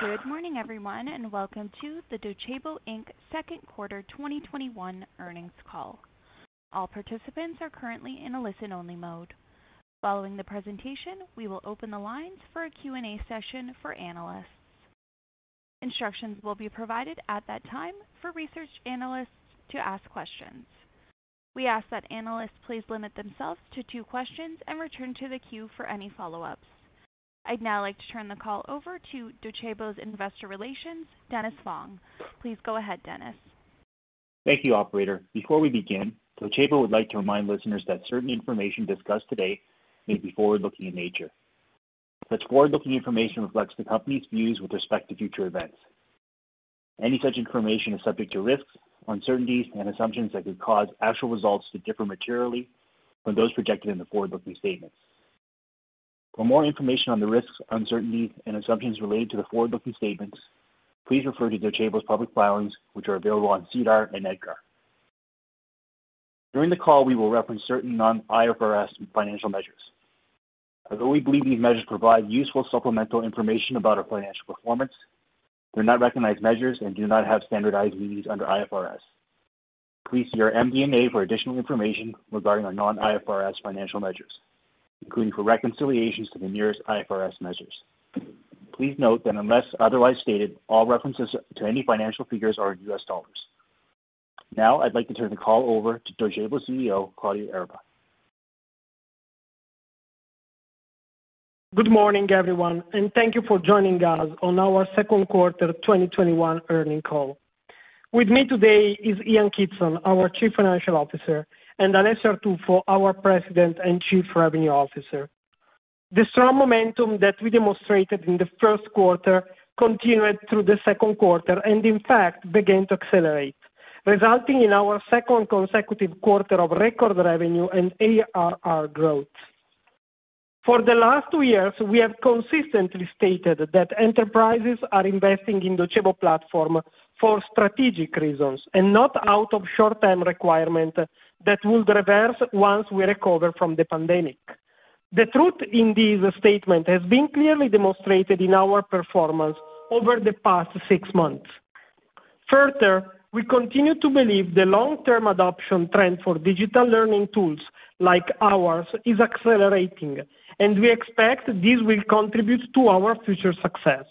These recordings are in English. Good morning, everyone, and welcome to the Docebo Inc Second Quarter 2021 Earnings Call. All participants are currently in a listen-only mode. Following the presentation, we will open the lines for a Q&A session for analysts. Instructions will be provided at that time for research analysts to ask questions. We ask that analysts please limit themselves to two questions and return to the queue for any follow-ups. I'd now like to turn the call over to Docebo's Investor Relations, Dennis Fong. Please go ahead, Dennis. Thank you, operator. Before we begin, Docebo would like to remind listeners that certain information discussed today may be forward-looking in nature. Such forward-looking information reflects the company's views with respect to future events. Any such information is subject to risks, uncertainties, and assumptions that could cause actual results to differ materially from those projected in the forward-looking statements. For more information on the risks, uncertainties, and assumptions related to the forward-looking statements, please refer to Docebo's public filings, which are available on SEDAR and EDGAR. During the call, we will reference certain non-IFRS financial measures. Although we believe these measures provide useful supplemental information about our financial performance, they're not recognized measures and do not have standardized meanings under IFRS. Please see our MD&A for additional information regarding our non-IFRS financial measures, including for reconciliations to the nearest IFRS measures. Please note that unless otherwise stated, all references to any financial figures are in U.S. dollars. Now I'd like to turn the call over to Docebo's CEO, Claudio Erba. Good morning, everyone. Thank you for joining us on our second quarter 2021 earning call. With me today is Ian Kidson, our Chief Financial Officer, and Alessio Artuffo, our President and Chief Revenue Officer. The strong momentum that we demonstrated in the first quarter continued through the second quarter and in fact began to accelerate, resulting in our second consecutive quarter of record revenue and ARR growth. For the last two years, we have consistently stated that enterprises are investing in Docebo platform for strategic reasons and not out of short-term requirement that would reverse once we recover from the pandemic. The truth in this statement has been clearly demonstrated in our performance over the past six months. Further, we continue to believe the long-term adoption trend for digital learning tools like ours is accelerating, and we expect this will contribute to our future success.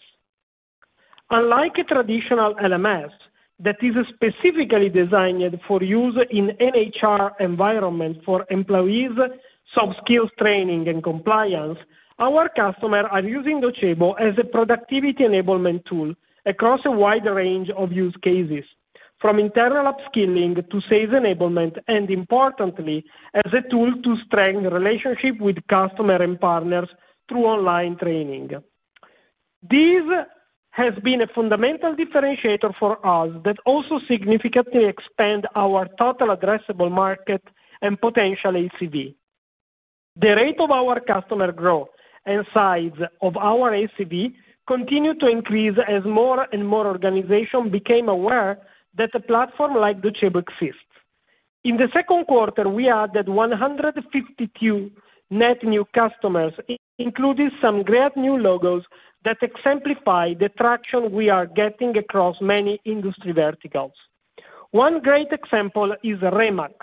Unlike a traditional LMS that is specifically designed for use in an HR environment for employees' soft skills training and compliance, our customers are using Docebo as a productivity enablement tool across a wide range of use cases, from internal upskilling to sales enablement, and importantly, as a tool to strengthen relationships with customers and partners through online training. This has been a fundamental differentiator for us that also significantly expand our total addressable market and potential ACV. The rate of our customer growth and size of our ACV continued to increase as more and more organizations became aware that a platform like Docebo exists. In the second quarter, we added 152 net new customers, including some great new logos that exemplify the traction we are getting across many industry verticals. One great example is RE/MAX,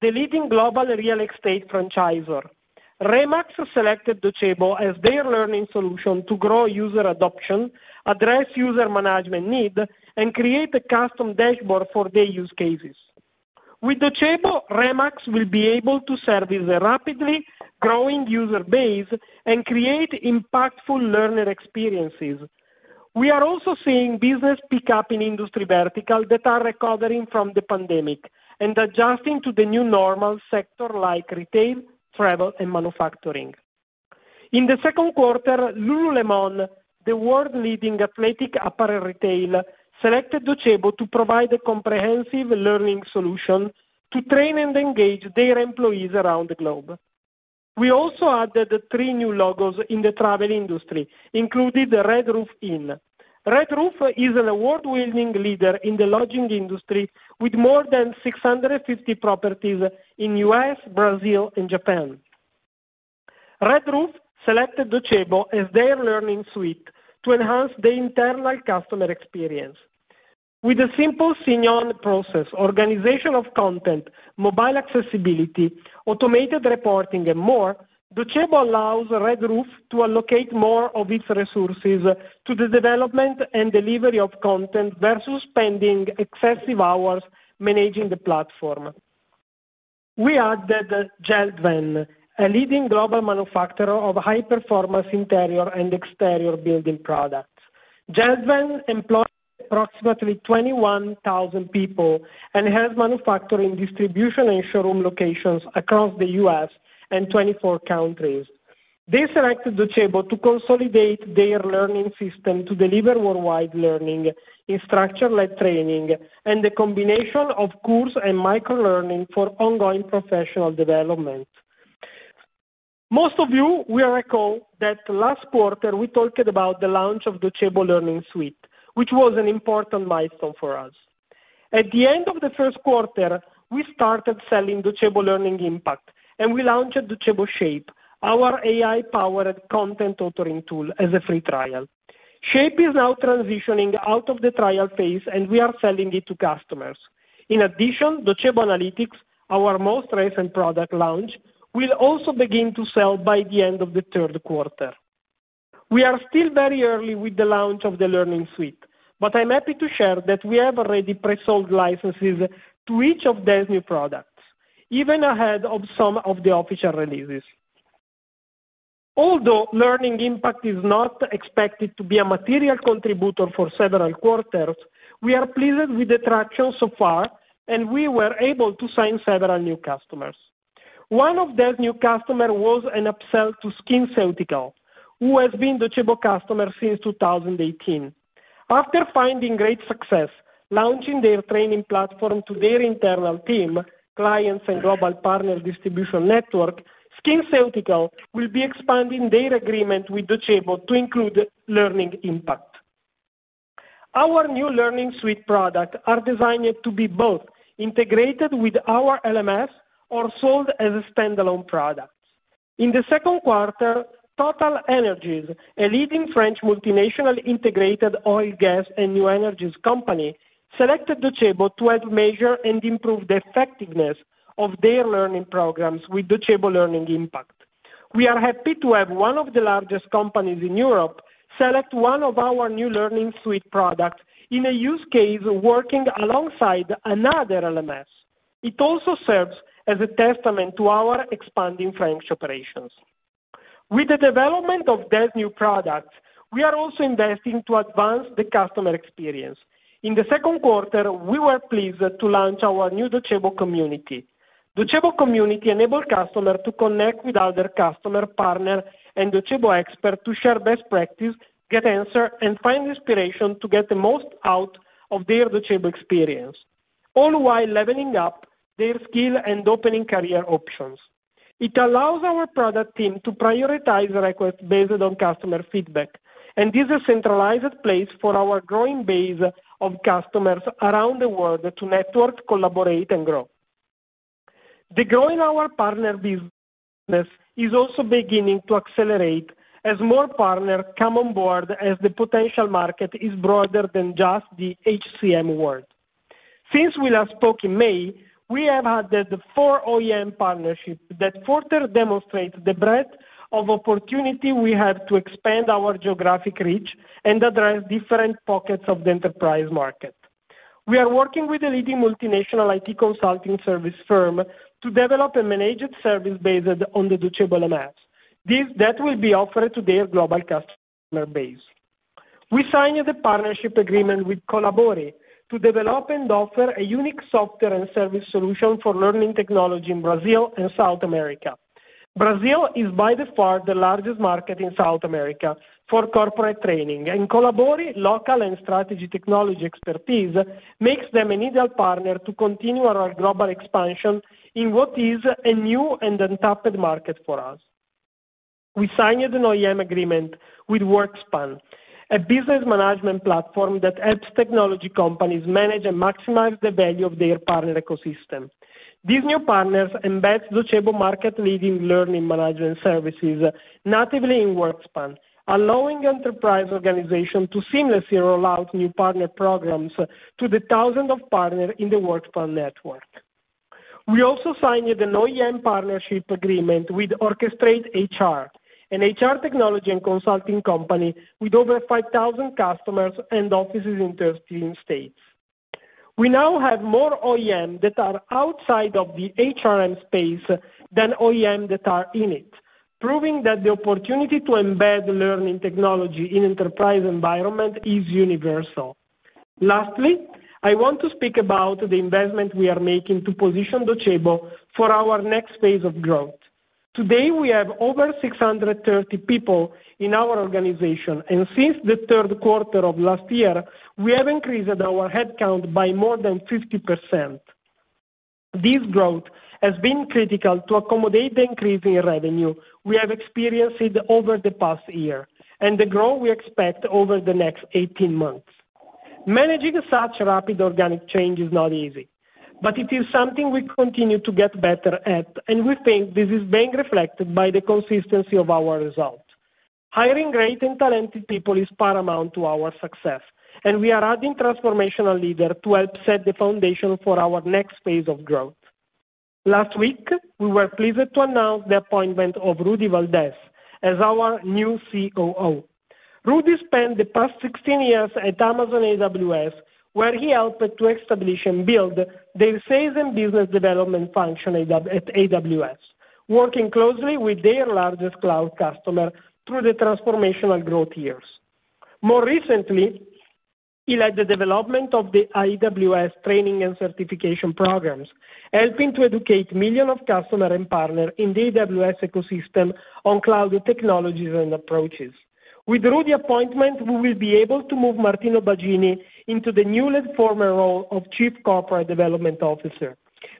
the leading global real estate franchisor. RE/MAX selected Docebo as their learning solution to grow user adoption, address user management need, and create a custom dashboard for their use cases. With Docebo, RE/MAX will be able to service a rapidly growing user base and create impactful learner experiences. We are also seeing business pick up in industry vertical that are recovering from the pandemic and adjusting to the new normal sector like retail, travel, and manufacturing. In the second quarter, lululemon, the world leading athletic apparel retailer, selected Docebo to provide a comprehensive learning solution to train and engage their employees around the globe. We also added three new logos in the travel industry, including Red Roof Inn. Red Roof is an award-winning leader in the lodging industry with more than 650 properties in U.S., Brazil, and Japan. Red Roof selected Docebo as their Learning Suite to enhance the internal customer experience. With a simple sign-on process, organization of content, mobile accessibility, automated reporting, and more, Docebo allows Red Roof to allocate more of its resources to the development and delivery of content versus spending excessive hours managing the platform. We added JELD-WEN, a leading global manufacturer of high-performance interior and exterior building products. JELD-WEN employs approximately 21,000 people and has manufacturing, distribution, and showroom locations across the U.S. and 24 countries. They selected Docebo to consolidate their learning system to deliver worldwide learning in instructor-led training and the combination of course and microlearning for ongoing professional development. Most of you will recall that last quarter we talked about the launch of Docebo Learning Suite, which was an important milestone for us. At the end of the first quarter, we started selling Docebo Learning Impact, and we launched Docebo Shape, our AI-powered content authoring tool, as a free trial. Shape is now transitioning out of the trial phase, and we are selling it to customers. In addition, Docebo Analytics, our most recent product launch, will also begin to sell by the end of the third quarter. We are still very early with the launch of the Learning Suite, but I'm happy to share that we have already pre-sold licenses to each of these new products, even ahead of some of the official releases. Although Learning Impact is not expected to be a material contributor for several quarters, we are pleased with the traction so far, and we were able to sign several new customers. One of those new customers was an upsell to SkinCeuticals, who has been a Docebo customer since 2018. After finding great success launching their training platform to their internal team, clients, and global partner distribution network, SkinCeuticals will be expanding their agreement with Docebo to include Learning Impact. Our new Learning Suite products are designed to be both integrated with our LMS or sold as standalone products. In the second quarter, TotalEnergies, a leading French multinational integrated oil, gas, and new energies company, selected Docebo to help measure and improve the effectiveness of their learning programs with Docebo Learning Impact. We are happy to have one of the largest companies in Europe select one of our new Learning Suite products in a use case working alongside another LMS. It also serves as a testament to our expanding French operations. With the development of these new products, we are also investing to advance the customer experience. In the second quarter, we were pleased to launch our new Docebo Community. Docebo Community enables customers to connect with other customers, partners, and Docebo experts to share best practices, get answers, and find inspiration to get the most out of their Docebo experience, all while leveling up their skills and opening career options. It allows our product team to prioritize requests based on customer feedback, and it is a centralized place for our growing base of customers around the world to network, collaborate, and grow. The growth in our partner business is also beginning to accelerate as more partners come on board as the potential market is broader than just the HCM world. Since we last spoke in May, we have added four OEM partnerships that further demonstrate the breadth of opportunity we have to expand our geographic reach and address different pockets of the enterprise market. We are working with a leading multinational IT consulting service firm to develop a managed service based on the Docebo LMS that will be offered to their global customer base. We signed a partnership agreement with Kolabori to develop and offer a unique software and service solution for learning technology in Brazil and South America. Brazil is by far the largest market in South America for corporate training, and Kolabori's local and strategic technology expertise makes them an ideal partner to continue our global expansion in what is a new and untapped market for us. We signed an OEM agreement with WorkSpan, a business management platform that helps technology companies manage and maximize the value of their partner ecosystem. These new partners embed Docebo market-leading learning management services natively in WorkSpan, allowing enterprise organizations to seamlessly roll out new partner programs to the thousands of partners in the WorkSpan network. We also signed an OEM partnership agreement with OrchestrateHR, an HR technology and consulting company with over 5,000 customers and offices in 13 states. We now have more OEMs that are outside of the HRM space than OEMs that are in it, proving that the opportunity to embed learning technology in enterprise environments is universal. I want to speak about the investment we are making to position Docebo for our next phase of growth. Today, we have over 630 people in our organization, and since the third quarter of last year, we have increased our headcount by more than 50%. This growth has been critical to accommodate the increase in revenue we have experienced over the past year and the growth we expect over the next 18 months. Managing such rapid organic change is not easy, but it is something we continue to get better at, and we think this is being reflected by the consistency of our results. Hiring great and talented people is paramount to our success, and we are adding transformational leaders to help set the foundation for our next phase of growth. Last week, we were pleased to announce the appointment of Rudy Valdez as our new COO. Rudy spent the past 16 years at Amazon AWS, where he helped to establish and build the sales and business development function at AWS, working closely with their largest cloud customers through the transformational growth years. More recently, he led the development of the AWS training and certification programs, helping to educate millions of customers and partners in the AWS ecosystem on cloud technologies and approaches. With Rudy's appointment, we will be able to move Martino Bagini into the newly formed role of Chief Corporate Development Officer.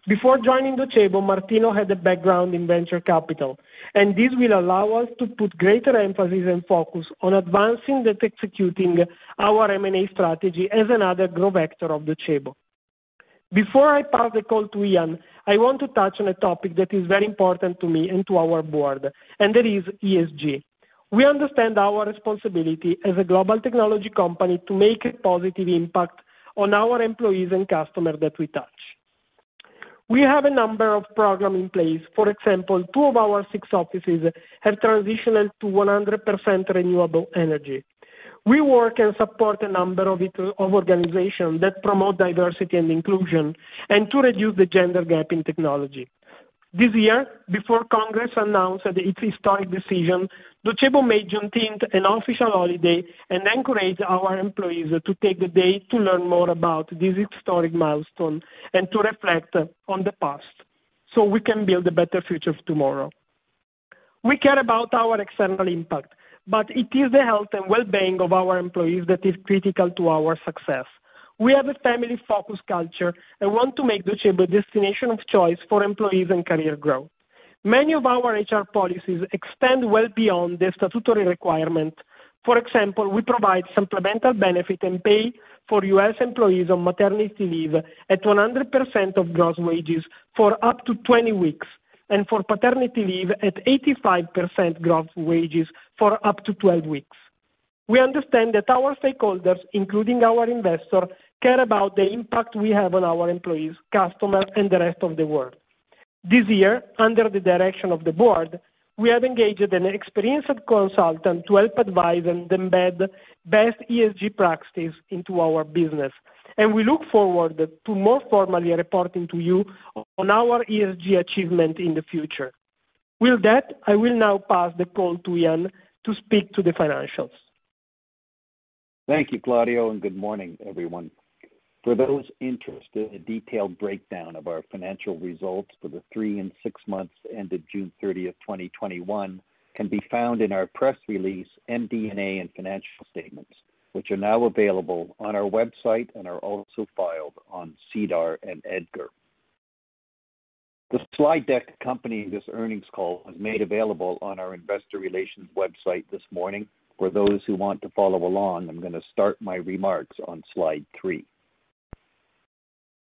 Before joining Docebo, Martino had a background in venture capital, and this will allow us to put greater emphasis and focus on advancing and executing our M&A strategy as another growth vector of Docebo. Before I pass the call to Ian, I want to touch on a topic that is very important to me and to our board, and that is ESG. We understand our responsibility as a global technology company to make a positive impact on our employees and customers that we touch. We have a number of programs in place. For example, two of our six offices have transitioned to 100% renewable energy. We work and support a number of organizations that promote diversity and inclusion and to reduce the gender gap in technology. This year, before Congress announced its historic decision, Docebo made Juneteenth an official holiday and encouraged our employees to take the day to learn more about this historic milestone and to reflect on the past so we can build a better future tomorrow. We care about our external impact, but it is the health and well-being of our employees that is critical to our success. We have a family-focused culture and want to make Docebo destination of choice for employees and career growth. Many of our HR policies extend well beyond the statutory requirement. For example, we provide supplemental benefit and pay for U.S. employees on maternity leave at 100% of gross wages for up to 20 weeks, and for paternity leave at 85% gross wages for up to 12 weeks. We understand that our stakeholders, including our investors, care about the impact we have on our employees, customers, and the rest of the world. This year, under the direction of the board, we have engaged an experienced consultant to help advise and embed best ESG practices into our business, and we look forward to more formally reporting to you on our ESG achievement in the future. With that, I will now pass the call to Ian to speak to the financials. Thank you, Claudio, and good morning, everyone. For those interested in a detailed breakdown of our financial results for the three and six months ended June 30th, 2021, can be found in our press release, MD&A, and financial statements, which are now available on our website, and are also filed on SEDAR and EDGAR. The slide deck accompanying this earnings call was made available on our investor relations website this morning. For those who want to follow along, I'm going to start my remarks on slide three.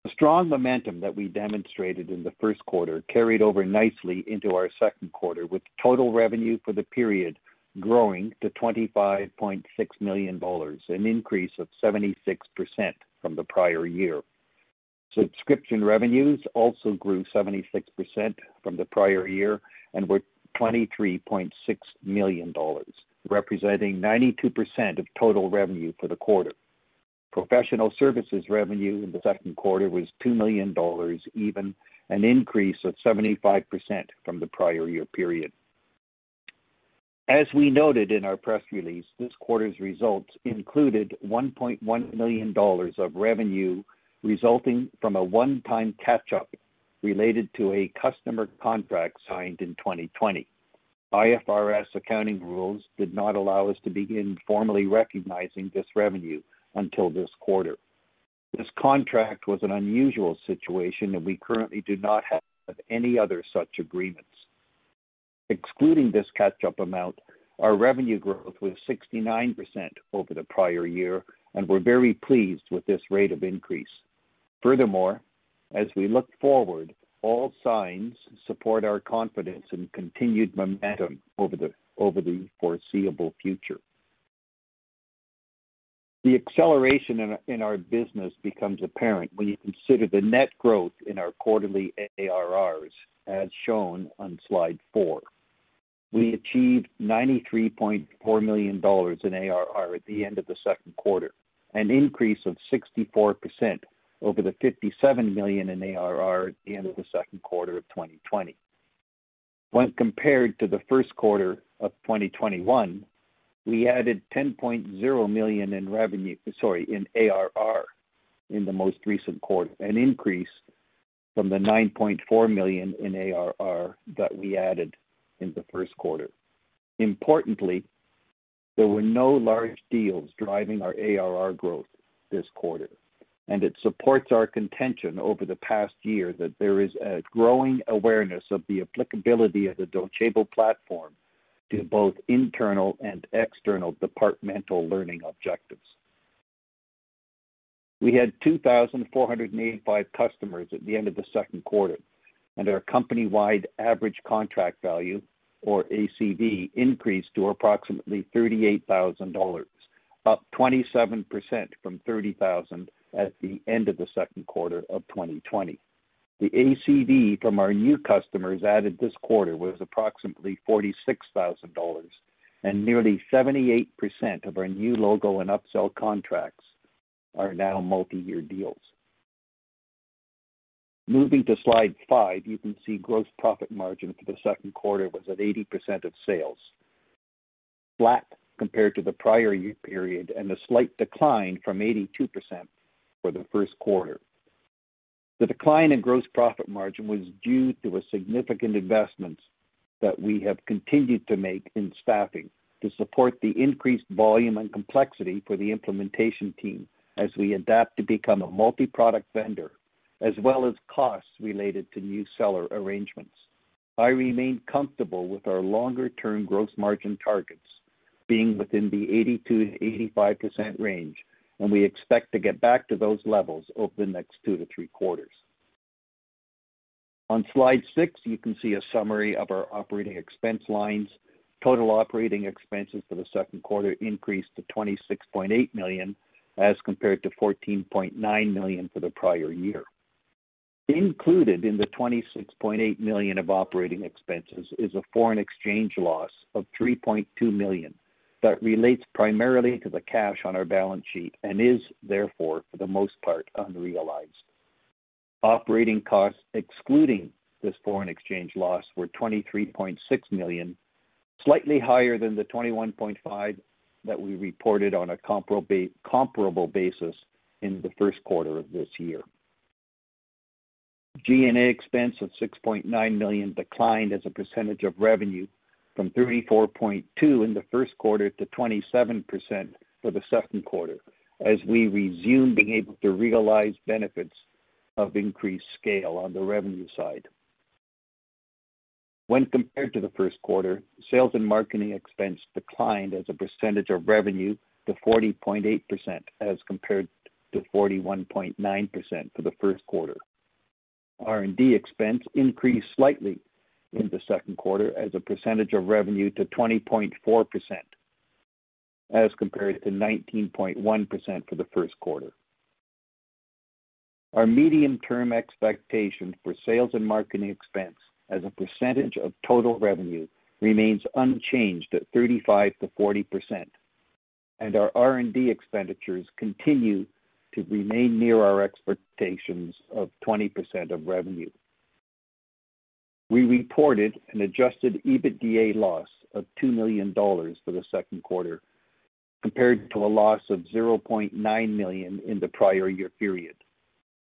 The strong momentum that we demonstrated in the first quarter carried over nicely into our second quarter, with total revenue for the period growing to $25.6 million, an increase of 76% from the prior year. Subscription revenues also grew 76% from the prior year and were $23.6 million, representing 92% of total revenue for the quarter. Professional services revenue in the second quarter was $2 million even, an increase of 75% from the prior-year period. As we noted in our press release, this quarter's results included $1.1 million of revenue resulting from a one-time catch-up related to a customer contract signed in 2020. IFRS accounting rules did not allow us to begin formally recognizing this revenue until this quarter. This contract was an unusual situation, and we currently do not have any other such agreements. Excluding this catch-up amount, our revenue growth was 69% over the prior-year, and we're very pleased with this rate of increase. As we look forward, all signs support our confidence in continued momentum over the foreseeable future. The acceleration in our business becomes apparent when you consider the net growth in our quarterly ARRs, as shown on slide four. We achieved $93.4 million in ARR at the end of the second quarter, an increase of 64% over the $57 million in ARR at the end of the second quarter of 2020. When compared to the first quarter of 2021, we added $10.0 million in revenue, sorry, in ARR in the most recent quarter, an increase from the $9.4 million in ARR that we added in the first quarter. Importantly, there were no large deals driving our ARR growth this quarter, and it supports our contention over the past year that there is a growing awareness of the applicability of the Docebo platform to both internal and external departmental learning objectives. We had 2,485 customers at the end of the second quarter, and our company-wide average contract value, or ACV, increased to approximately $38,000, up 27% from $30,000 at the end of the second quarter of 2020. The ACV from our new customers added this quarter was approximately $46,000, and nearly 78% of our new logo and upsell contracts are now multi-year deals. Moving to slide five, you can see gross profit margin for the second quarter was at 80% of sales, flat compared to the prior year period and a slight decline from 82% for the first quarter. The decline in gross profit margin was due to a significant investment that we have continued to make in staffing to support the increased volume and complexity for the implementation team as we adapt to become a multi-product vendor, as well as costs related to new seller arrangements. I remain comfortable with our longer-term gross margin targets being within the 82%-85% range, and we expect to get back to those levels over the next two to three quarters. On slide six, you can see a summary of our operating expense lines. Total operating expenses for the second quarter increased to $26.8 million as compared to $14.9 million for the prior year. Included in the $26.8 million of operating expenses is a foreign exchange loss of $3.2 million that relates primarily to the cash on our balance sheet and is therefore, for the most part, unrealized. Operating costs, excluding this foreign exchange loss, were $23.6 million, slightly higher than the $21.5 million that we reported on a comparable basis in the first quarter of this year. G&A expense of $6.9 million declined as a percentage of revenue from 34.2% in the first quarter to 27% for the second quarter, as we resumed being able to realize benefits of increased scale on the revenue side. When compared to the first quarter, sales and marketing expense declined as a percentage of revenue to 40.8%, as compared to 41.9% for the first quarter. R&D expense increased slightly in the second quarter as a percentage of revenue to 20.4%, as compared to 19.1% for the first quarter. Our medium-term expectation for sales and marketing expense as a percentage of total revenue remains unchanged at 35%-40%, our R&D expenditures continue to remain near our expectations of 20% of revenue. We reported an adjusted EBITDA loss of $2 million for the second quarter, compared to a loss of $0.9 million in the prior year period.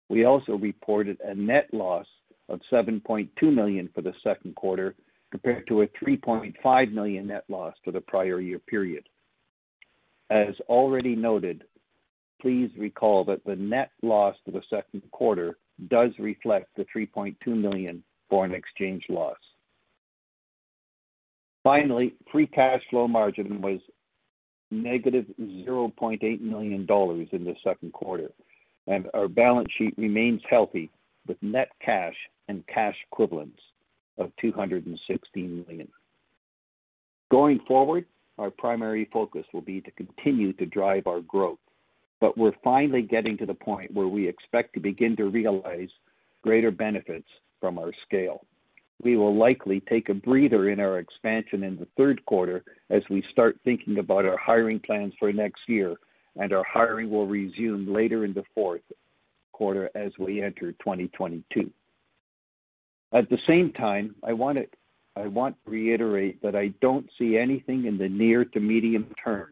We also reported a net loss of $7.2 million for the second quarter, compared to a $3.5 million net loss for the prior year period. As already noted, please recall that the net loss for the second quarter does reflect the $3.2 million foreign exchange loss. Finally, free cash flow margin was -$0.8 million in the second quarter, and our balance sheet remains healthy with net cash and cash equivalents of $216 million. Going forward, our primary focus will be to continue to drive our growth. We're finally getting to the point where we expect to begin to realize greater benefits from our scale. We will likely take a breather in our expansion in the third quarter as we start thinking about our hiring plans for next year, and our hiring will resume later in the fourth quarter as we enter 2022. At the same time, I want to reiterate that I don't see anything in the near to medium term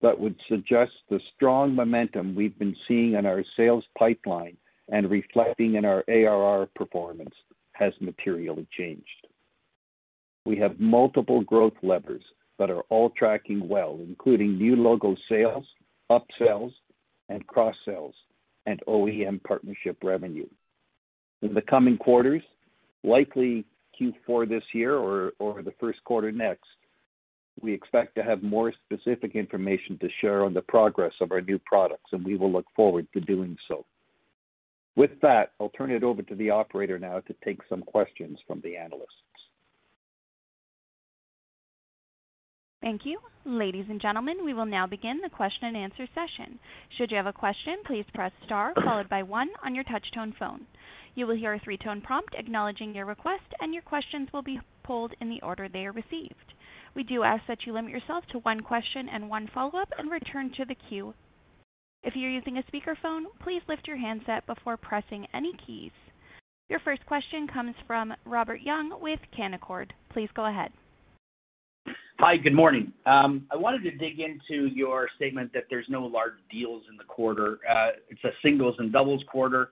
that would suggest the strong momentum we've been seeing in our sales pipeline and reflecting in our ARR performance has materially changed. We have multiple growth levers that are all tracking well, including new logo sales, upsells, and cross-sells, and OEM partnership revenue. In the coming quarters, likely Q4 this year or the first quarter next, we expect to have more specific information to share on the progress of our new products, and we will look forward to doing so. With that, I'll turn it over to the operator now to take some questions from the analysts. Thank you. Ladies and gentlemen, we will now begin the question and answer session. Should you have a question, please press star followed by one on your touch-tone phone. You will hear a three-tone prompt acknowledging your request, and your questions will be pulled in the order they are received. We do ask that you limit yourself to one question and one follow-up and return to the queue. If you're using a speakerphone, please lift your handset before pressing any keys. Your first question comes from Robert Young with Canaccord. Please go ahead. Hi. Good morning. I wanted to dig into your statement that there's no large deals in the quarter. It's a singles and doubles quarter.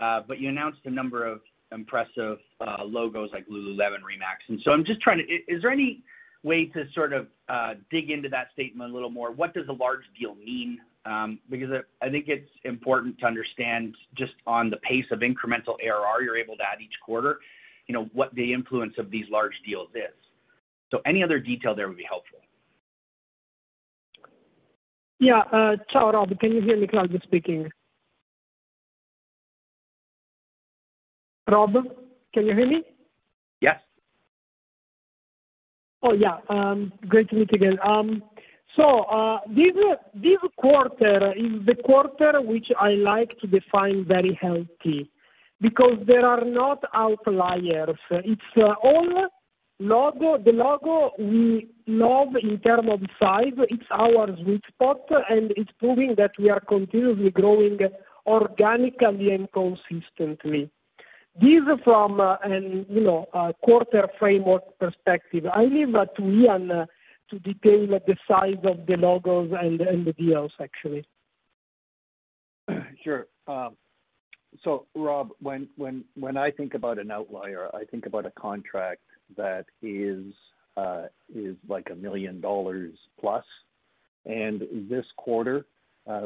You announced a number of impressive logos like lululemon, RE/MAX, is there any way to sort of dig into that statement a little more? What does a large deal mean? I think it's important to understand just on the pace of incremental ARR you're able to add each quarter, what the influence of these large deals is. Any other detail there would be helpful. Yeah. Ciao, Rob. Can you hear me? Claudio speaking. Rob, can you hear me? Yes. Oh, yeah. Great to meet you again. This quarter is the quarter which I like to define very healthy because there are no outliers. It's all the logo we love in terms of size. It's our sweet spot, and it's proving that we are continuously growing organically and consistently. This from a quarter framework perspective. I leave that to Ian to detail the size of the logos and the deals, actually. Sure. Rob, when I think about an outlier, I think about a contract that is $1 million+. This quarter,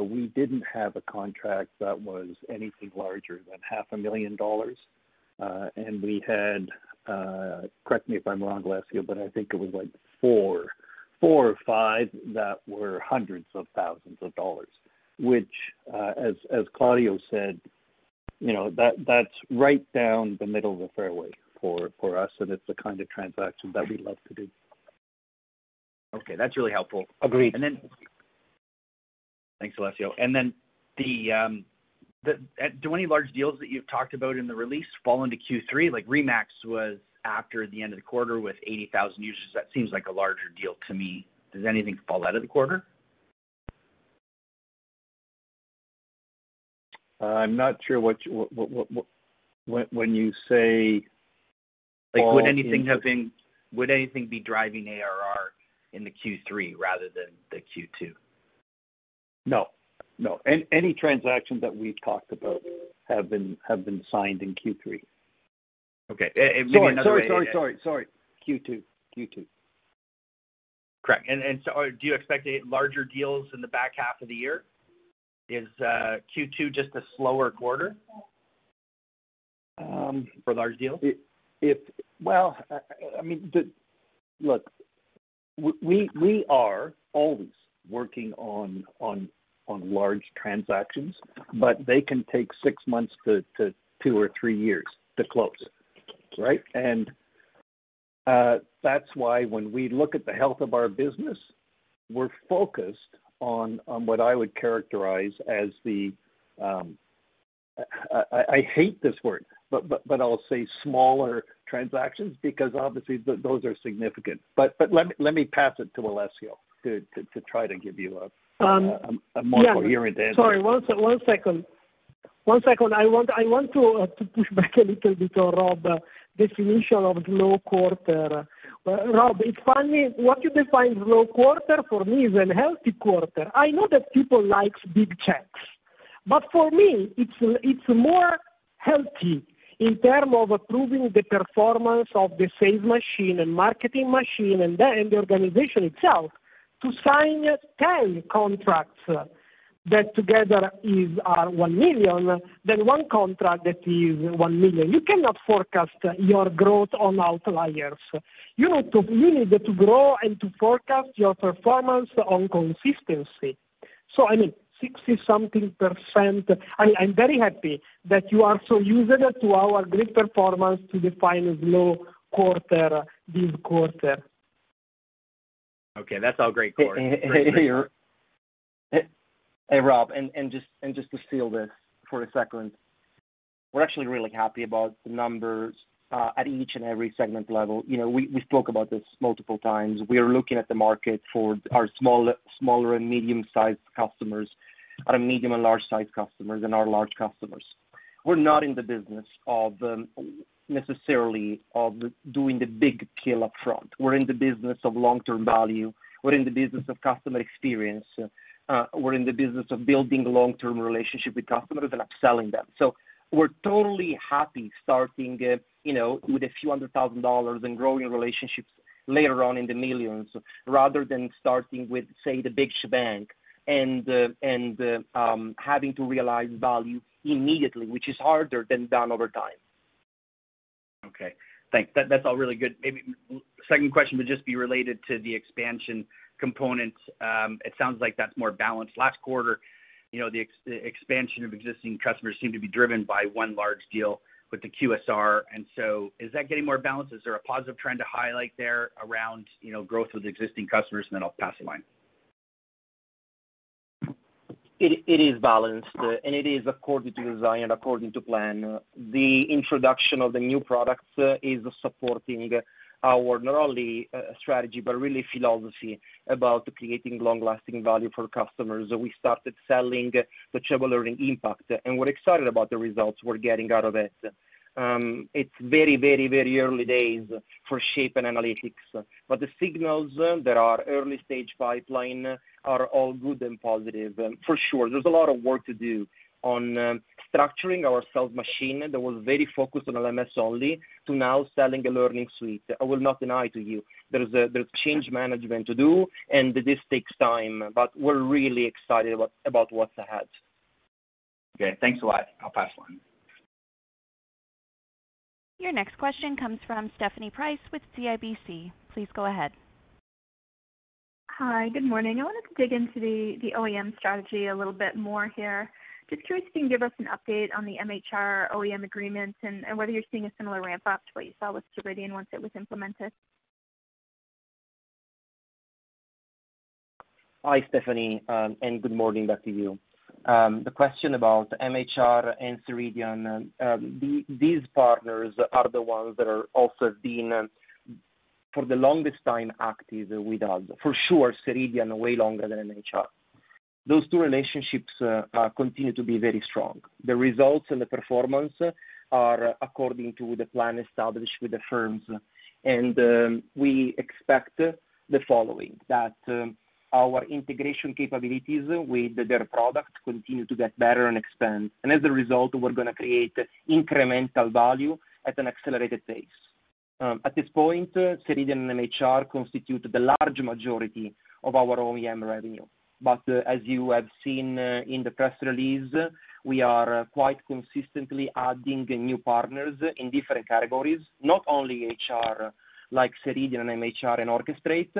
we didn't have a contract that was anything larger than half a million dollars. We had, correct me if I'm wrong, Alessio, but I think it was four or five that were hundreds of thousands of dollars, which, as Claudio said, that's right down the middle of the fairway for us, and it's the kind of transaction that we love to do. Okay. That's really helpful. Agreed. Thanks, Alessio. Do any large deals that you've talked about in the release fall into Q3? Like RE/MAX was after the end of the quarter with 80,000 users. That seems like a larger deal to me. Does anything fall out of the quarter? I'm not sure when you say fall into. Would anything be driving ARR into Q3 rather than the Q2? No. Any transactions that we've talked about have been signed in Q3. Okay. Sorry. Q2. Correct. Do you expect larger deals in the back half of the year? Is Q2 just a slower quarter for large deals? Well, look, we are always working on large transactions, but they can take six months to two or three years to close, right? That's why when we look at the health of our business, we're focused on what I would characterize as the I hate this word, but I'll say smaller transactions because obviously those are significant. Let me pass it to Alessio to try to give you a more coherent answer. I want to push back a little bit on Rob definition of low quarter. Rob, it's funny, what you define low quarter for me is a healthy quarter. I know that people likes big checks, but for me, it's more healthy in term of approving the performance of the sales machine and marketing machine and the organization itself to sign 10 contracts that together is $1 million, than one contract that is $1 million. You cannot forecast your growth on outliers. You need to grow and to forecast your performance on consistency. I mean, 60-something percent, I'm very happy that you are so used to our great performance to define a low quarter, this quarter. Okay. That's all great, Claudio. Great. Hey, Rob, just to seal this for a second, we're actually really happy about the numbers, at each and every segment level. We spoke about this multiple times. We are looking at the market for our smaller and medium-sized customers, our medium and large-sized customers, and our large customers. We're not in the business of necessarily of doing the big kill up front. We're in the business of long-term value. We're in the business of customer experience. We're in the business of building long-term relationship with customers and upselling them. We're totally happy starting with a few hundred thousand dollars and growing relationships later on in the millions, rather than starting with, say, the big shebang and having to realize value immediately, which is harder than done over time. Okay. Thanks. That's all really good. Maybe second question would just be related to the expansion component. It sounds like that's more balanced. Last quarter, the expansion of existing customers seemed to be driven by one large deal with the QSR, is that getting more balanced? Is there a positive trend to highlight there around growth with existing customers? I'll pass the line. It is balanced. It is according to design and according to plan. The introduction of the new products is supporting our not only strategy, but really philosophy about creating long-lasting value for customers. We started selling the Docebo Learning Impact. We're excited about the results we're getting out of it. It's very early days for Shape and Analytics. The signals that our early-stage pipeline are all good and positive. For sure, there's a lot of work to do on structuring our sales machine that was very focused on LMS only to now selling Learning Suite. I will not deny to you, there's change management to do. This takes time. We're really excited about what's ahead. Okay. Thanks a lot. I'll pass the line. Your next question comes from Stephanie Price with CIBC. Please go ahead. Hi. Good morning. I wanted to dig into the OEM strategy a little bit more here. Just curious if you can give us an update on the MHR OEM agreements and whether you're seeing a similar ramp-up to what you saw with Ceridian once it was implemented. Hi, Stephanie. Good morning back to you. The question about MHR and Ceridian, these partners are the ones that are also been, for the longest time, active with us, for sure Ceridian way longer than MHR. Those two relationships continue to be very strong. The results and the performance are according to the plan established with the firms. We expect the following, that our integration capabilities with their product continue to get better and expand. As a result, we're going to create incremental value at an accelerated pace. At this point, Ceridian and MHR constitute the large majority of our OEM revenue. As you have seen in the press release, we are quite consistently adding new partners in different categories, not only HR, like Ceridian and MHR and Orchestrate.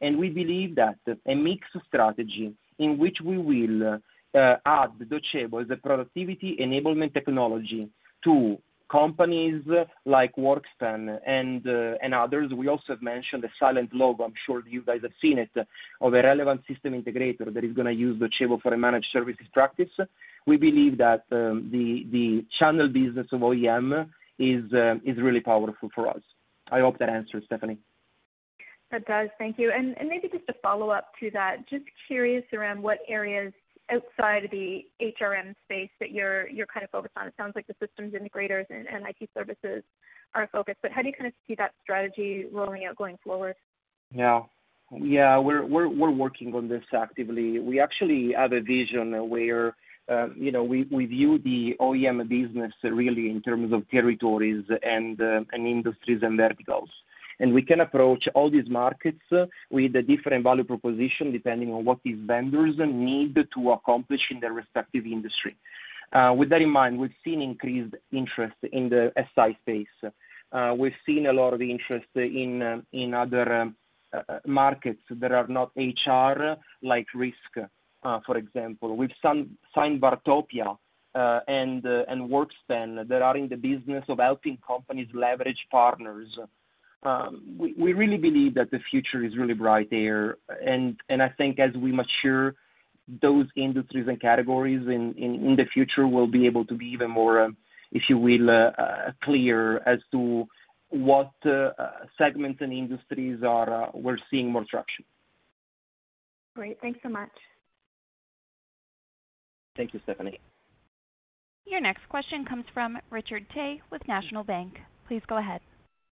We believe that a mixed strategy in which we will add Docebo as a productivity enablement technology to companies like WorkSpan and others. We also have mentioned the silent logo, I'm sure you guys have seen it, of a relevant system integrator that is going to use Docebo for a managed services practice. We believe that the channel business of OEM is really powerful for us. I hope that answers, Stephanie. That does. Thank you. Maybe just a follow-up to that, just curious around what areas outside the HRM space that you're kind of focused on. It sounds like the systems integrators and IT services are a focus, but how do you see that strategy rolling out going forward? Yeah. We're working on this actively. We actually have a vision where we view the OEM business really in terms of territories and industries and verticals. We can approach all these markets with a different value proposition, depending on what these vendors need to accomplish in their respective industry. With that in mind, we've seen increased interest in the SI space. We've seen a lot of interest in other markets that are not HR, like risk, for example. We've signed Vartopia and WorkSpan that are in the business of helping companies leverage partners. We really believe that the future is really bright there, and I think as we mature those industries and categories in the future, we'll be able to be even more, if you will, clear as to what segments and industries we're seeing more traction. Great. Thanks so much. Thank you, Stephanie. Your next question comes from Richard Tse with National Bank. Please go ahead.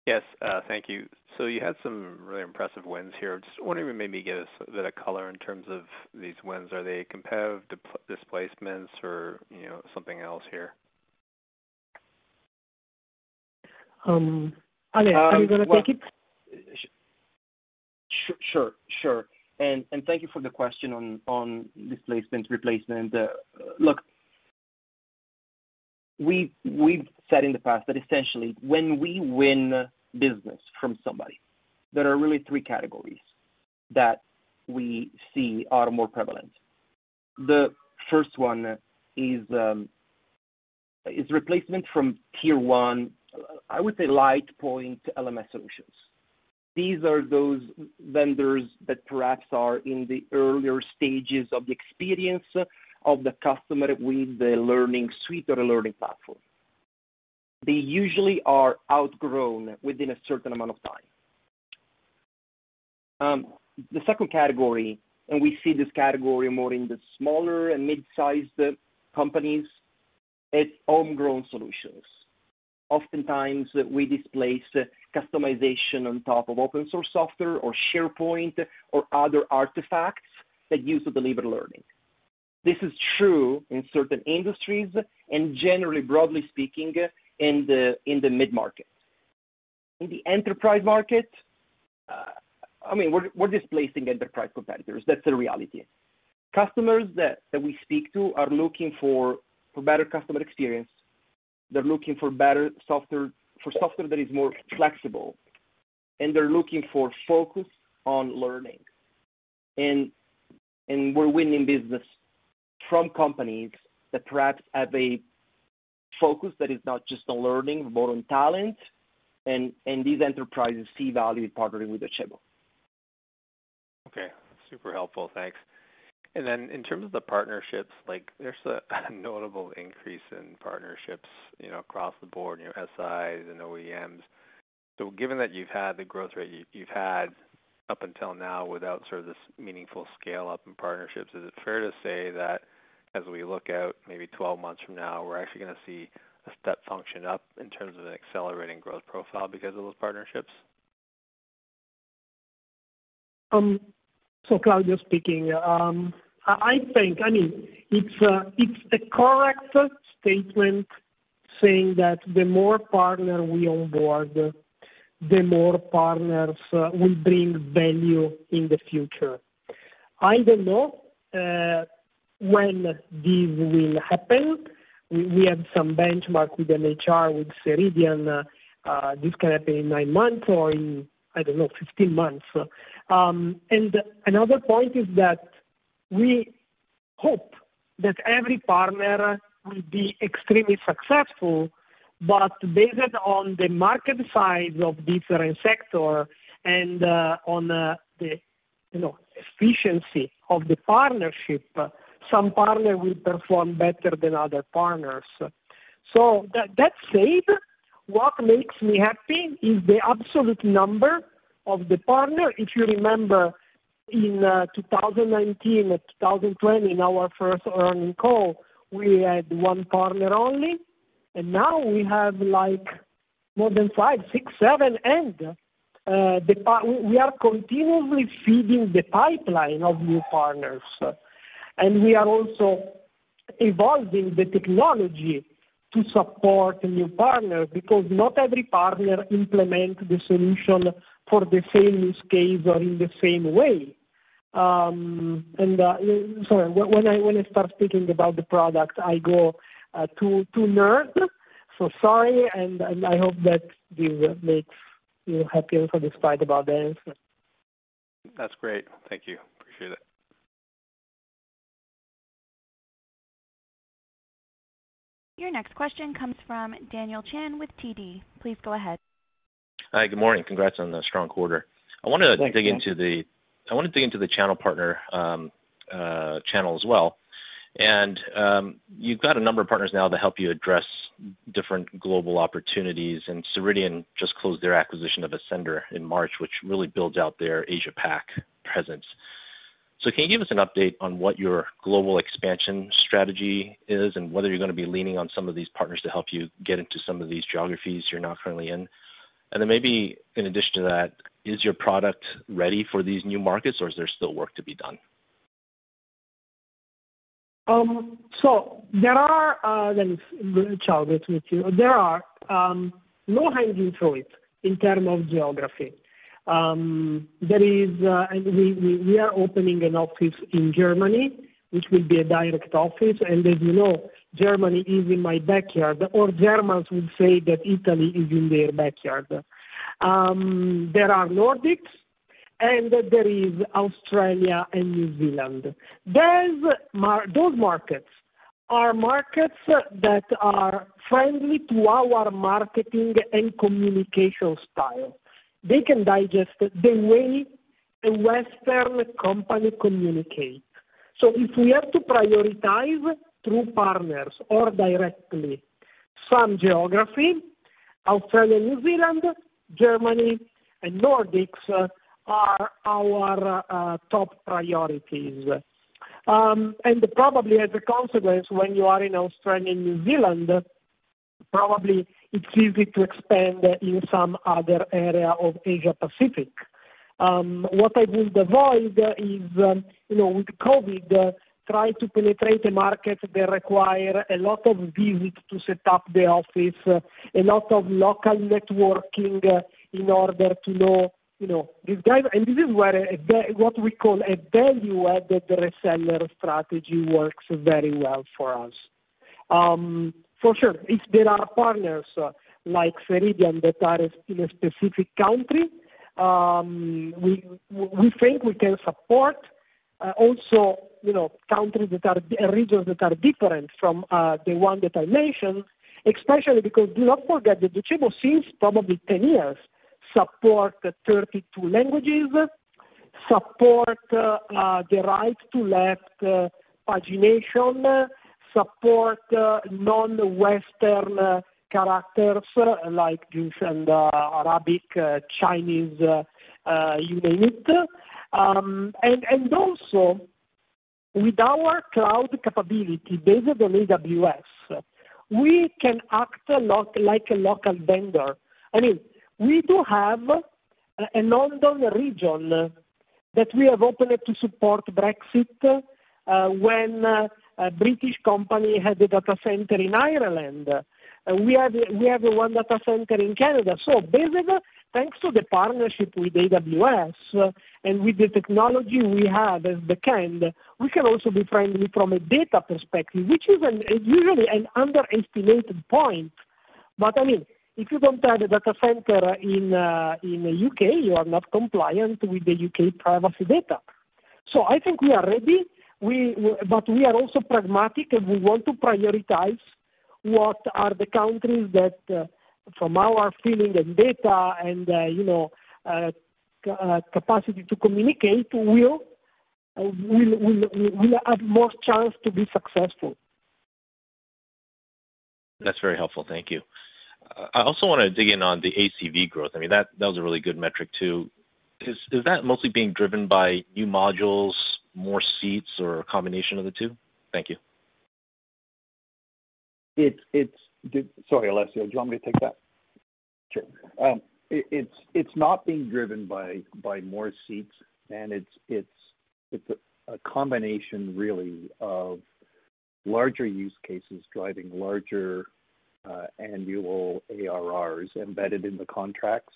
Yes, thank you. You had some really impressive wins here. I'm just wondering if you maybe give us a bit of color in terms of these wins. Are they competitive displacements or something else here? Ale, are you going to take it? Sure. Thank you for the question on displacement, replacement. Look, we've said in the past that essentially when we win business from somebody, there are really three categories that we see are more prevalent. The first one is replacement from tier one, I would say, light point LMS solutions. These are those vendors that perhaps are in the earlier stages of the experience of the customer with the Learning Suite or the Learning platform. They usually are outgrown within a certain amount of time. The second category, we see this category more in the smaller and mid-sized companies, it's homegrown solutions. Oftentimes, we displace customization on top of open source software or SharePoint or other artifacts that use the delivered learning. This is true in certain industries and generally broadly speaking, in the mid-market. In the enterprise market, we're displacing enterprise competitors. That's the reality. Customers that we speak to are looking for better customer experience. They're looking for software that is more flexible. They're looking for focus on learning. We're winning business from companies that perhaps have a focus that is not just on learning, more on talent. These enterprises see value in partnering with Docebo. Okay. Super helpful. Thanks. In terms of the partnerships, there's a notable increase in partnerships across the board, your SIs and OEMs. Given that you've had the growth rate you've had up until now without sort of this meaningful scale-up in partnerships, is it fair to say that as we look out maybe 12 months from now, we're actually going to see a step function up in terms of an accelerating growth profile because of those partnerships? Claudio speaking. I think it's a correct statement saying that the more partner we onboard, the more partners will bring value in the future. I don't know when this will happen. We have some benchmark with MHR, with Ceridian. This can happen in nine months or in, I don't know, 15 months. Another point is that we hope that every partner will be extremely successful, but based on the market size of different sector and on the efficiency of the partnership, some partner will perform better than other partners. That said, what makes me happy is the absolute number of the partner. If you remember in 2019 or 2020, in our first earning call, we had one partner only, and now we have More than five, six, seven, and we are continuously feeding the pipeline of new partners. We are also evolving the technology to support new partners, because not every partner implements the solution for the same use case or in the same way. Sorry, when I start speaking about the product, I go too nerdy. Sorry, and I hope that this makes you happier for the slide about that. That's great. Thank you. Appreciate it. Your next question comes from Daniel Chan with TD. Please go ahead. Hi. Good morning. Congrats on the strong quarter. Thanks, Dan. I wanted to dig into the channel partner channel as well. You've got a number of partners now to help you address different global opportunities, Ceridian just closed their acquisition of Ascender in March, which really builds out their Asia Pac presence. Can you give us an update on what your global expansion strategy is, and whether you're going to be leaning on some of these partners to help you get into some of these geographies you're not currently in? Maybe in addition to that, is your product ready for these new markets, or is there still work to be done? Let me share this with you. There are no hiding through it in terms of geography. We are opening an office in Germany, which will be a direct office, and as you know, Germany is in my backyard, or Germans would say that Italy is in their backyard. There are Nordics, and there is Australia and New Zealand. Those markets are markets that are friendly to our marketing and communication style. They can digest the way a Western company communicates. If we have to prioritize through partners or directly some geography, Australia, New Zealand, Germany, and Nordics are our top priorities. Probably as a consequence, when you are in Australia, New Zealand, probably it's easy to expand in some other area of Asia Pacific. What I will avoid is, with COVID, try to penetrate a market that require a lot of visit to set up the office, a lot of local networking in order to know these guys. This is what we call a value-added reseller strategy works very well for us. For sure, if there are partners like Ceridian that are in a specific country, we think we can support also countries and regions that are different from the one that I mentioned, especially because do not forget that Docebo, since probably 10 years, support 32 languages, support the right to left pagination, support non-Western characters like Russian, Arabic, Chinese, you name it. Also, with our cloud capability based on AWS, we can act a lot like a local vendor. I mean, we do have a London region that we have opened to support Brexit, when a British company had a data center in Ireland. We have one data center in Canada. Basically, thanks to the partnership with AWS and with the technology we have as the kind, we can also be friendly from a data perspective, which is usually an underestimated point. I mean, if you don't have a data center in U.K., you are not compliant with the U.K. privacy data. I think we are ready, but we are also pragmatic, and we want to prioritize what are the countries that, from our feeling and data and capacity to communicate, will have more chance to be successful. That's very helpful. Thank you. I also want to dig in on the ACV growth. I mean, that was a really good metric too. Is that mostly being driven by new modules, more seats, or a combination of the two? Thank you. It's- Sorry, Alessio, do you want me to take that? Sure. It's not being driven by more seats, and it's a combination really of larger use cases driving larger annual ARRs embedded in the contracts.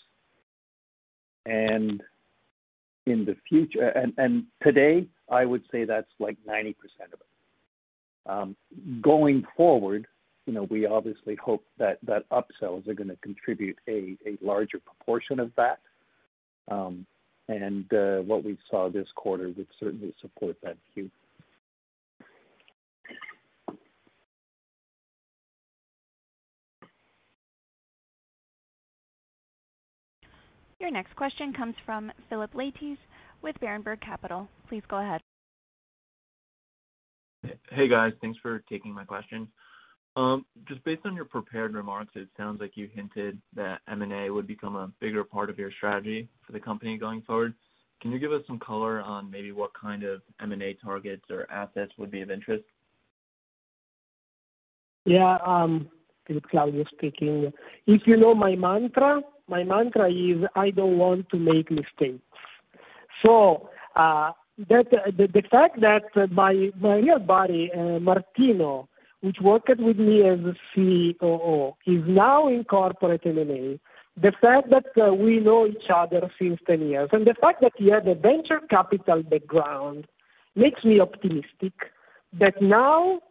Today, I would say that's like 90% of it. Going forward, we obviously hope that upsells are going to contribute a larger proportion of that, and what we saw this quarter would certainly support that view. Your next question comes from Phillip Leytes with Berenberg Capital. Please go ahead. Hey, guys. Thanks for taking my question. Just based on your prepared remarks, it sounds like you hinted that M&A would become a bigger part of your strategy for the company going forward. Can you give us some color on maybe what kind of M&A targets or assets would be of interest? Yeah. This is Claudio speaking. If you know my mantra, my mantra is, "I don't want to make mistakes." The fact that my left buddy, Martino, who worked with me as a COO, is now in corporate M&A, the fact that we know each other since 10 years, and the fact that he had a venture capital background, makes me optimistic that now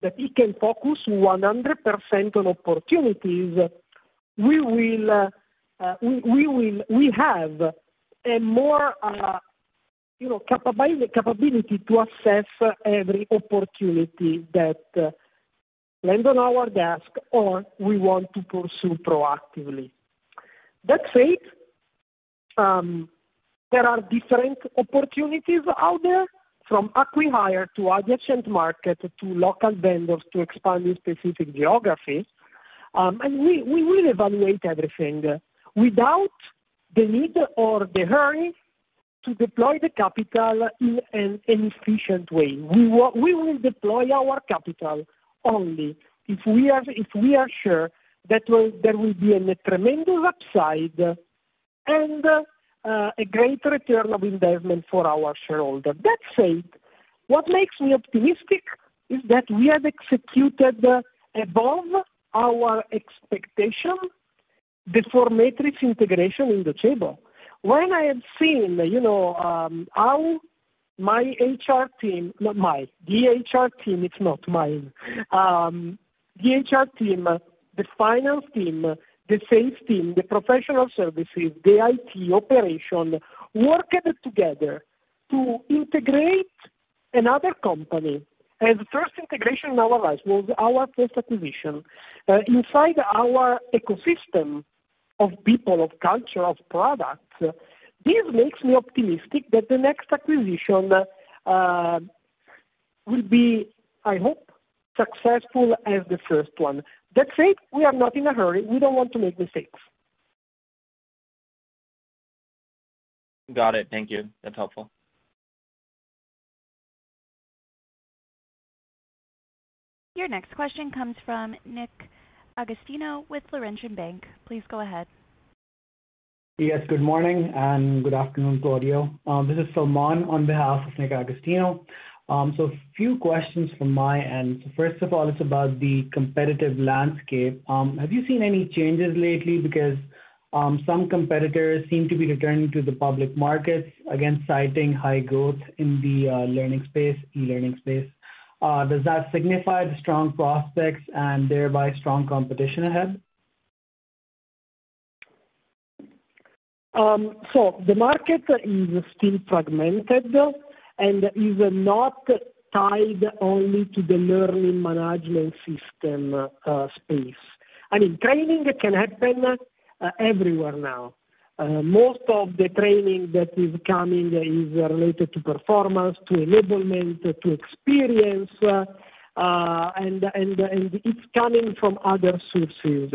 that he can focus 100% on opportunities, we have a more capability to assess every opportunity that lands on our desk, or we want to pursue proactively. That said, there are different opportunities out there, from acqui-hire to adjacent market, to local vendors, to expanding specific geographies. We will evaluate everything without the need or the hurry to deploy the capital in an inefficient way. We will deploy our capital only if we are sure that there will be a tremendous upside and a great return of investment for our shareholder. What makes me optimistic is that we have executed above our expectation, the forMetris integration in Docebo. When I have seen how my HR team, not mine, the HR team, the finance team, the sales team, the professional services, the IT, operation, working together to integrate another company, and the first integration in our life was our first acquisition, inside our ecosystem of people, of culture, of products, this makes me optimistic that the next acquisition will be, I hope, successful as the first one. We are not in a hurry. We don't want to make mistakes. Got it. Thank you. That's helpful. Your next question comes from Nick Agostino with Laurentian Bank. Please go ahead. Yes, good morning and good afternoon, Claudio. This is Salman on behalf of Nick Agostino. A few questions from my end. First of all, it's about the competitive landscape. Have you seen any changes lately? Some competitors seem to be returning to the public markets, again, citing high growth in the e-learning space. Does that signify the strong prospects and thereby strong competition ahead? The market is still fragmented and is not tied only to the learning management system space. I mean, training can happen everywhere now. Most of the training that is coming is related to performance, to enablement, to experience, and it's coming from other sources.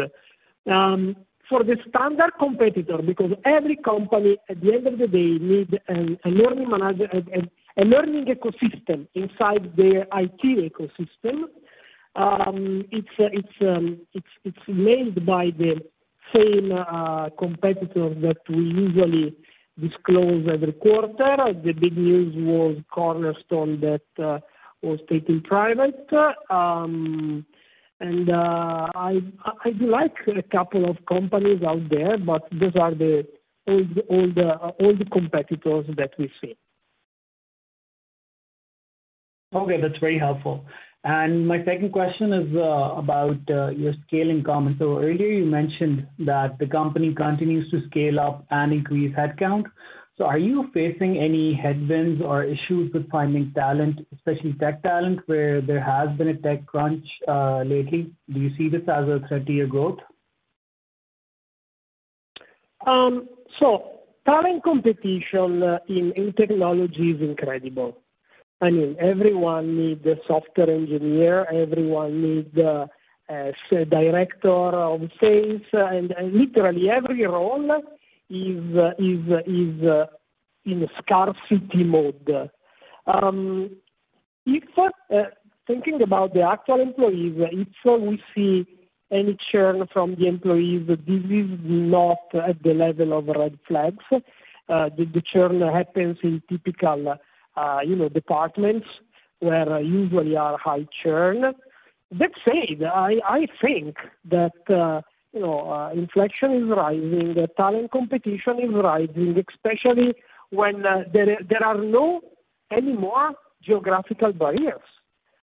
For the standard competitor, because every company, at the end of the day, need a learning ecosystem inside their IT ecosystem, it's made by the same competitors that we usually disclose every quarter. The big news was Cornerstone that was taken private. I like a couple of companies out there, but those are the old competitors that we see. Okay, that's very helpful. My second question is about your scaling comment. Earlier you mentioned that the company continues to scale up and increase headcount. Are you facing any headwinds or issues with finding talent, especially tech talent, where there has been a tech crunch lately? Do you see this as a threat to your growth? Talent competition in technology is incredible. I mean, everyone need a software engineer, everyone need a director of sales, literally every role is in scarcity mode. Thinking about the actual employees, if we see any churn from the employees, this is not at the level of red flags. The churn happens in typical departments where usually are high churn. That said, I think that inflation is rising, talent competition is rising, especially when there are no any more geographical barriers.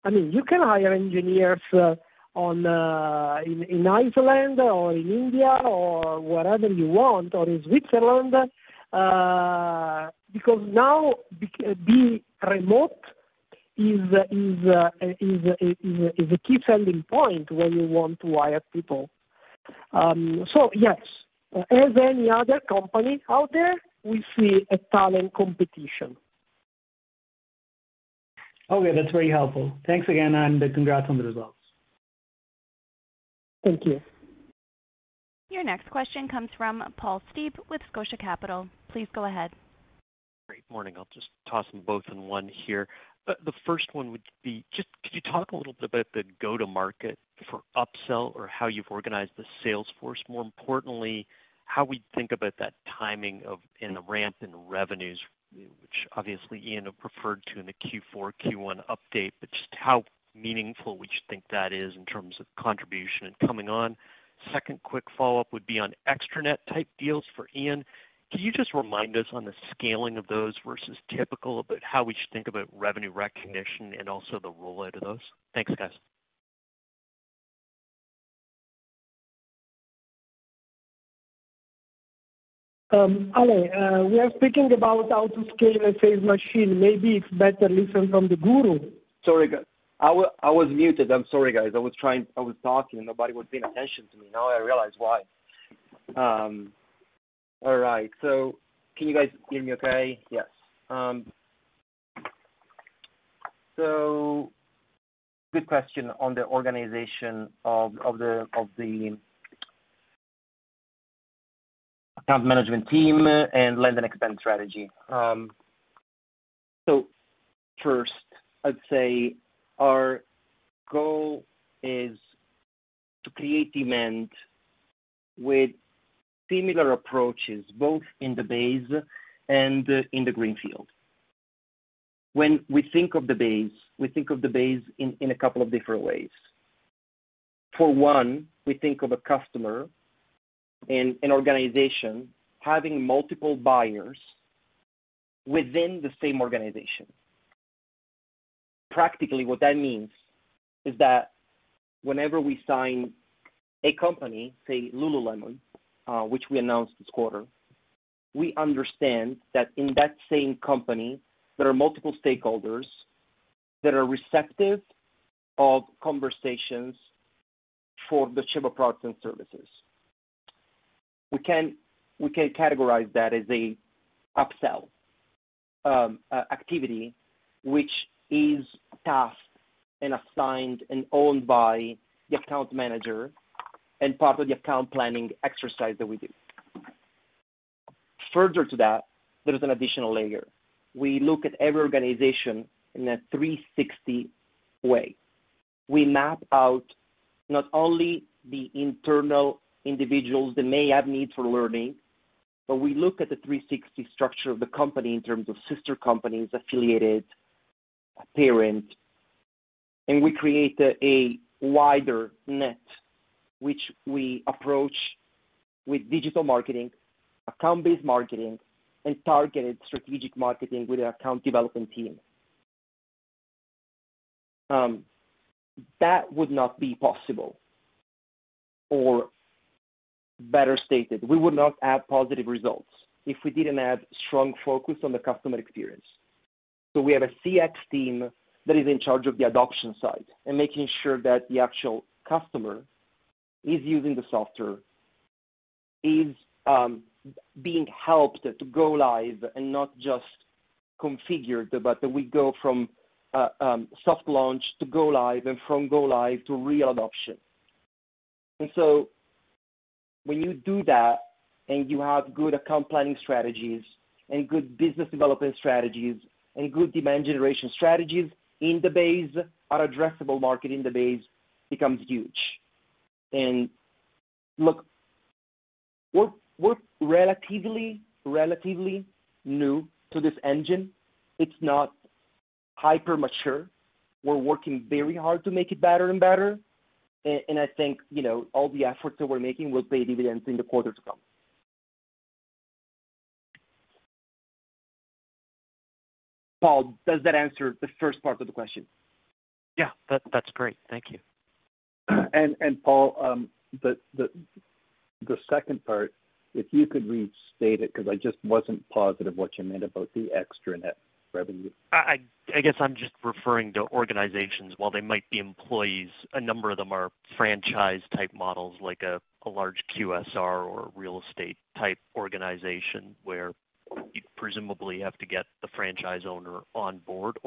I mean, you can hire engineers in Iceland or in India or wherever you want, or in Switzerland, because now being remote is a key selling point when you want to hire people. Yes, as any other company out there, we see a talent competition. Okay, that's very helpful. Thanks again, and congrats on the results. Thank you. Your next question comes from Paul Steep with Scotia Capital. Please go ahead. Great morning. I'll just toss them both in one here. The first one would be just could you talk a little bit about the go-to-market for upsell or how you've organized the sales force? More importantly, how we think about that timing of and the ramp in revenues, which obviously Ian referred to in the Q4, Q1 update. Just how meaningful would you think that is in terms of contribution? Coming on, second quick follow-up would be on extranet type deals for Ian. Can you just remind us on the scaling of those versus typical about how we should think about revenue recognition and also the rollout of those? Thanks, guys. Ale, we are speaking about how to scale a sales machine. Maybe it's better listen from the guru. Sorry, guys. I was muted. I'm sorry, guys. I was talking, and nobody was paying attention to me. Now I realize why. All right, can you guys hear me okay? Yes. Good question on the organization of the account management team and land and expand strategy. First, I'd say our goal is to create demand with similar approaches, both in the base and in the green field. When we think of the base, we think of the base in a couple of different ways. For one, we think of a customer in an organization having multiple buyers within the same organization. Practically, what that means is that whenever we sign a company, say, lululemon, which we announced this quarter, we understand that in that same company, there are multiple stakeholders that are receptive of conversations for Docebo products and services. We can categorize that as a upsell activity, which is tasked and assigned and owned by the account manager and part of the account planning exercise that we do. Further to that, there is an additional layer. We look at every organization in a 360 way. We map out not only the internal individuals that may have needs for learning, but we look at the 360 structure of the company in terms of sister companies, affiliated, parent, and we create a wider net, which we approach with digital marketing, account-based marketing, and targeted strategic marketing with our account development team. That would not be possible, or better stated, we would not have positive results if we didn't have strong focus on the customer experience. We have a CX team that is in charge of the adoption side and making sure that the actual customer is using the software, is being helped to go live and not just configured, but that we go from soft launch to go live and from go live to real adoption. When you do that and you have good account planning strategies and good business development strategies and good demand generation strategies in the base, our addressable market in the base becomes huge. Look, we're relatively new to this engine. It's not hyper-mature. We're working very hard to make it better and better, and I think all the efforts that we're making will pay dividends in the quarters to come. Paul, does that answer the first part of the question? Yeah. That's great. Thank you. Paul, the second part, if you could restate it, because I just wasn't positive what you meant about the extranet revenue. I guess I'm just referring to organizations. While they might be employees, a number of them are franchise-type models, like a large QSR or real estate type organization where you presumably have to get the franchise owner on board.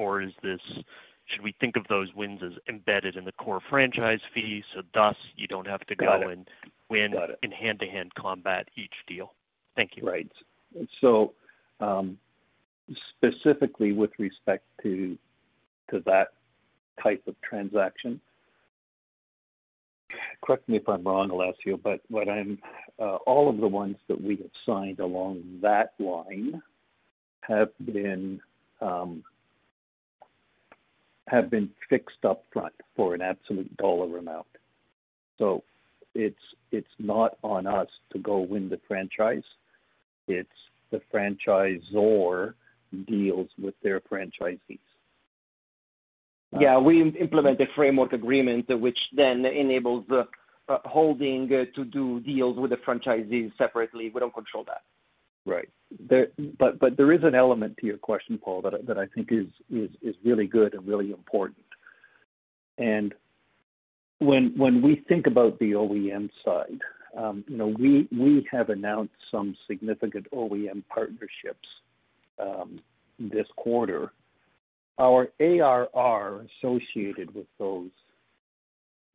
Should we think of those wins as embedded in the core franchise fees, so thus you don't have to go? Got it. win in hand-to-hand combat each deal? Thank you. Right. specifically with respect to that type of transaction, correct me if I'm wrong, Alessio, but all of the ones that we have signed along that line have been fixed up front for an absolute dollar amount. It's not on us to go win the franchise. It's the franchisor deals with their franchisees. Yeah, we implement a framework agreement, which then enables the holding to do deals with the franchisees separately. We don't control that. Right. There is an element to your question, Paul, that I think is really good and really important. When we think about the OEM side, we have announced some significant OEM partnerships this quarter. Our ARR associated with those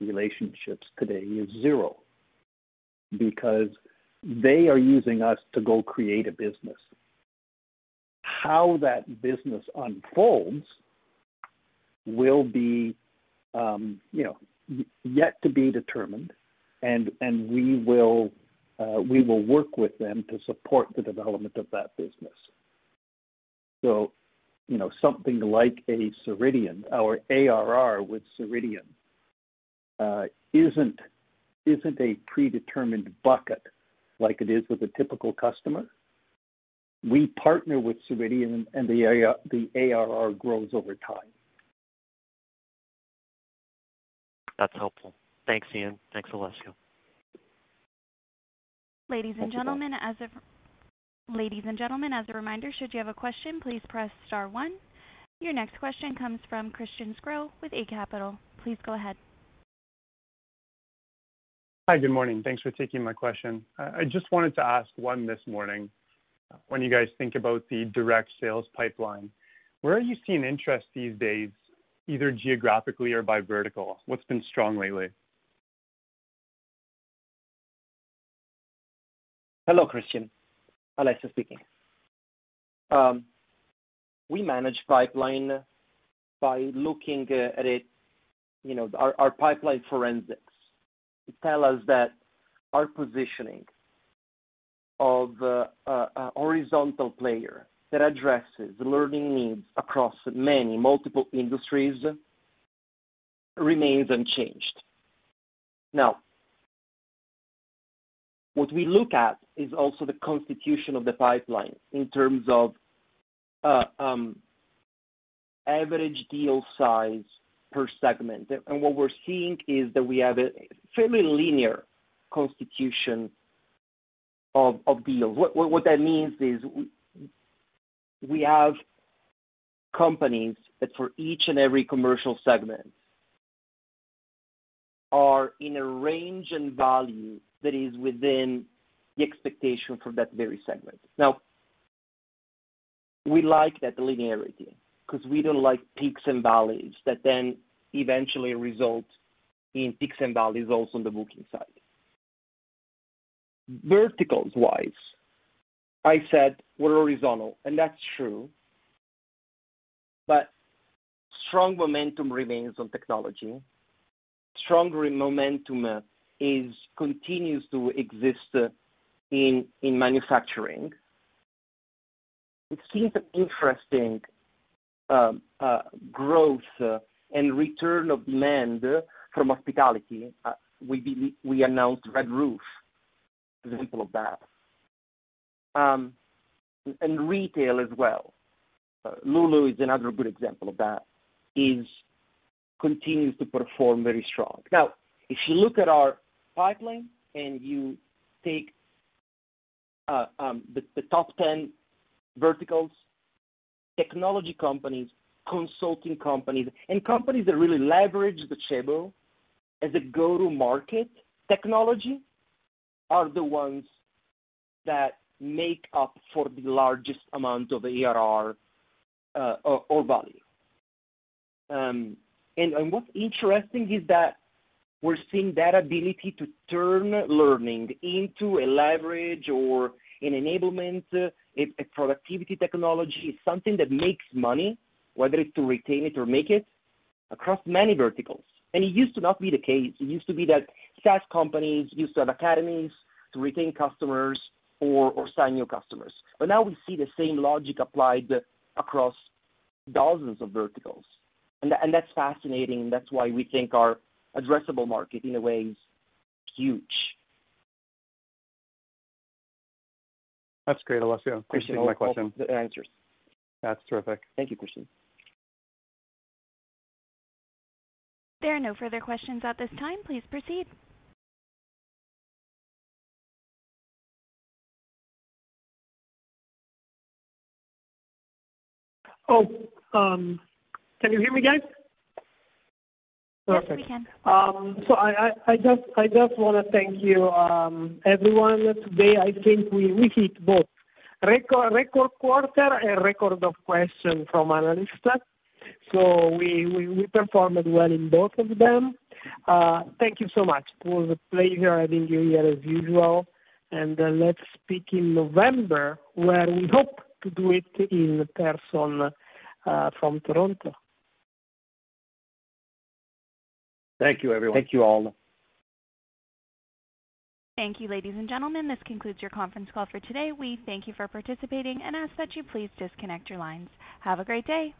relationships today is zero, because they are using us to go create a business. How that business unfolds will be yet to be determined, and we will work with them to support the development of that business. Something like a Ceridian, our ARR with Ceridian isn't a predetermined bucket like it is with a typical customer. We partner with Ceridian, and the ARR grows over time. That's helpful. Thanks, Ian. Thanks, Alessio. Ladies and gentlemen, as a reminder, should you have a question, please press star one. Your next question comes from Christian Sgro with Eight Capital. Please go ahead. Hi. Good morning. Thanks for taking my question. I just wanted to ask one this morning. When you guys think about the direct sales pipeline, where are you seeing interest these days, either geographically or by vertical? What's been strong lately? Hello, Christian. Alessio speaking. We manage pipeline by looking at it. Our pipeline forensics tell us that our positioning of a horizontal player that addresses the learning needs across many, multiple industries remains unchanged. What we look at is also the constitution of the pipeline in terms of average deal size per segment. What we're seeing is that we have a fairly linear constitution of deals. What that means is we have companies that for each and every commercial segment are in a range and value that is within the expectation for that very segment. We like that linearity because we don't like peaks and valleys that then eventually result in peaks and valleys also on the booking side. Verticals-wise, I said we're horizontal, and that's true. Strong momentum remains on technology. Stronger momentum continues to exist in manufacturing. We've seen interesting growth and return of demand from hospitality. We announced Red Roof, an example of that. Retail as well. lululemon is another good example of that, continues to perform very strong. Now, if you look at our pipeline and you take the top 10 verticals, technology companies, consulting companies, and companies that really leverage Docebo as a go-to-market technology are the ones that make up for the largest amount of ARR or value. What's interesting is that we're seeing that ability to turn learning into a leverage or an enablement, a productivity technology, something that makes money, whether it's to retain it or make it, across many verticals. It used to not be the case. It used to be that SaaS companies used to have academies to retain customers or sign new customers. Now we see the same logic applied across dozens of verticals, and that's fascinating. That's why we think our addressable market, in a way, is huge. That's great, Alessio. Appreciate my question. Hope that answers. That's terrific. Thank you, Christian. There are no further questions at this time. Please proceed. Oh, can you hear me, guys? Yes, we can. Perfect. I just want to thank you, everyone. Today, I think we hit both record quarter and record of question from analysts. We performed well in both of them. Thank you so much. It was a pleasure having you here as usual. Let's speak in November where we hope to do it in person from Toronto. Thank you, everyone. Thank you, all. Thank you, ladies and gentlemen. This concludes your conference call for today. We thank you for participating and ask that you please disconnect your lines. Have a great day.